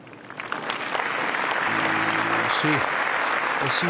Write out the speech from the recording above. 惜しい。